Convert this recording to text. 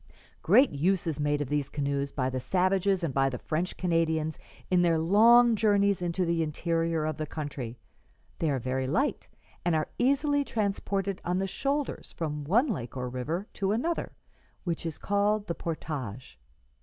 "'Great use is made of these canoes by the savages and by the French Canadians in their long journeys into the interior of the country; they are very light, and are easily transported on the shoulders from one lake or river to another, which is called the portage.